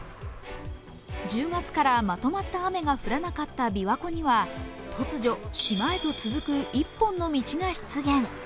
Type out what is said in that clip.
１０月からまとまった雨が降らなかったびわ湖には突如、島へと続く一本の道が出現。